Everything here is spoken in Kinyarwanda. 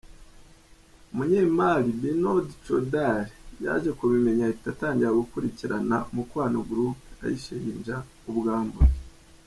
Umunyemari Binod Chaudhary yaje kubimenya ahita atangira gukurikirana Mukwano Group ayishinja ubwambuzi.